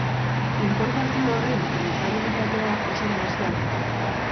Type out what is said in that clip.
Informazio horren trazabilitatea oso nahasia da.